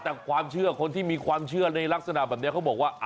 แต่คนที่มีความเชื่อในลักษณะแบบนี้เขาบอกว่า